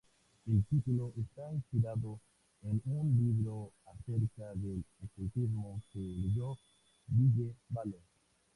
El título está inspirado en un libro acerca del ocultismo que leyó Ville Valo.